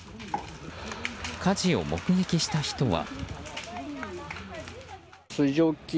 火事を目撃した人は。